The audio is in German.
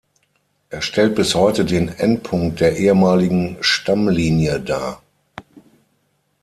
Er stellt bis heute den Endpunkt der ehemaligen "Stammlinie" dar.